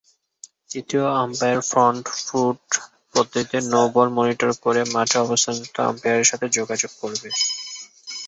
তৃতীয় umpire front foot পদ্ধতিতে no ball monitor করে মাঠে অবস্থানরত আম্পায়ারের সাথে যোগাযোগ করবে।